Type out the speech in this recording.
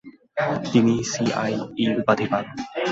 তিনি সিআইই উপাধি পান।